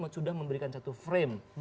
sudah memberikan satu frame